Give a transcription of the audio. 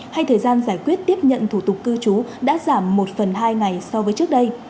hay thời gian giải quyết tiếp nhận thủ tục cư trú đã giảm một phần hai ngày so với trước đây